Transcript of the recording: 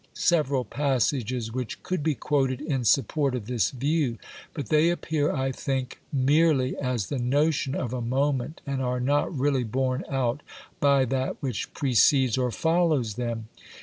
xxlv BIOGRAPHICAL AND several passages which could be quoted in support of this view, but they appear, I think, merely as the notion of a moment and are not really borne out by that which precedes or follows them.